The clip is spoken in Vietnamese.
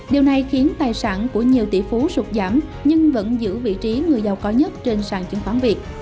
điều này khiến tài sản của nhiều tỷ phú sụt giảm nhưng vẫn giữ vị trí người giàu có nhất trên sàn chứng khoán việt